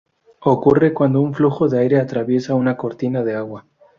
Ocurre cuando un flujo de aire atraviesa una cortina de agua.